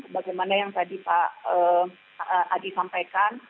bagaimana yang tadi pak adi sampaikan